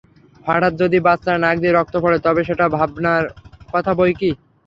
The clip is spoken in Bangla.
হঠাৎ যদি বাচ্চার নাক দিয়ে রক্ত পড়ে, তবে সেটা ভাবনার কথা বৈকি।